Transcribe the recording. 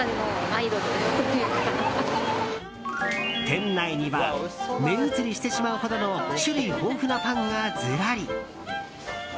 店内には目移りしてしまうほどの種類豊富なパンがずらり。